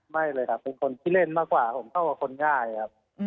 ไม่เลยครับเป็นคนขี้เล่นมากกว่าผมเข้ากับคนง่ายครับ